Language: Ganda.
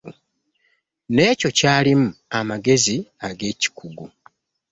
N’ekyo kyalimu amagezi ag’ekikugu.